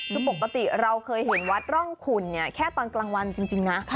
ดูปกติเราเคยเห็นวัดร่องคุณแค่ตอนกลางวันจริงนะ